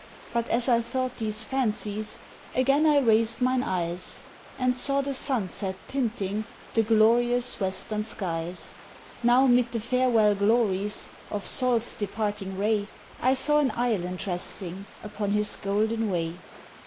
But as I thought these fancies, Again I raised mine eyes And saw the sunset tinting The glorious western skies. Now 'mid the farewell glories "Of Sol's departing ray," I saw an Island resting Upon his golden way.